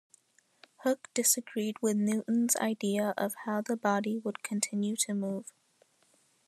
Hooke disagreed with Newton's idea of how the body would continue to move.